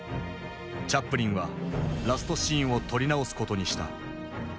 チャップリンはラストシーンを撮り直すことにした。